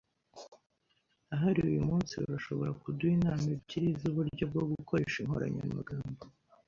Ahari uyumunsi urashobora kuduha inama ebyiri zuburyo bwo gukoresha inkoranyamagambo.